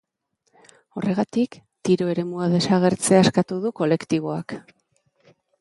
Horregatik, tiro eremua desagertzea eskatu du kolektiboak.